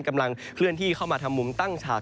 กำลังเคลื่อนที่เข้ามาทำมุมตั้งฉาก